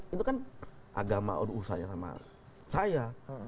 itu kan agama urusannya sama saya